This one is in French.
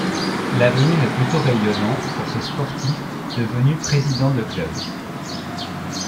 L'avenir est plutôt rayonnant pour ce sportif devenu président de club.